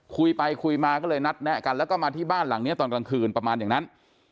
คุยไปคุยมาก็เลยนัดแนะกันแล้วก็มาที่บ้านหลังนี้ตอนกลางคืนประมาณอย่างนั้น